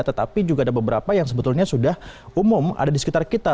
tetapi juga ada beberapa yang sebetulnya sudah umum ada di sekitar kita